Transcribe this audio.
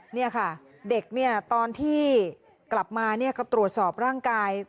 นี่ค่ะเด็กเนี่ยตอนที่กลับมาก็ตรวจสอบร่างกาย